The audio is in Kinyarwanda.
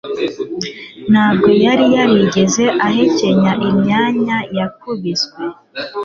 Ntabwo yari yarigeze ahekenya imyanya yakubiswe